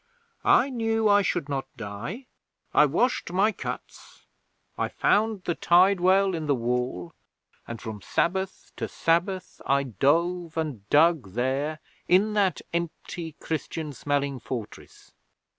I knew I should not die. I washed my cuts. I found the tide well in the wall, and from Sabbath to Sabbath I dove and dug there in that empty, Christian smelling fortress.